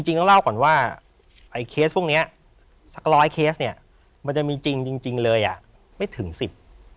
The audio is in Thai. จริงต้องเล่าก่อนว่าเคสพวกนี้สักร้อยเคสเนี่ยมันจะมีจริงเลยอ่ะไม่ถึงสิบ